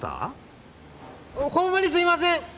ホンマにすいません！